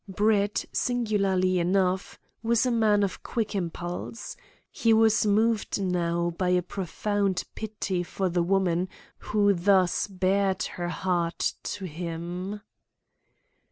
Brett, singularly enough, was a man of quick impulse. He was moved now by a profound pity for the woman who thus bared her heart to him.